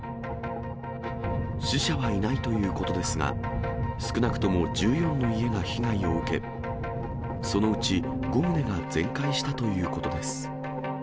死者はいないということですが、少なくとも１４の家が被害を受け、そのうち５棟が全壊したということです。